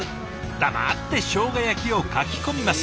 黙ってしょうが焼きをかき込みます。